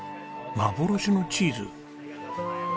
幻のチーズ？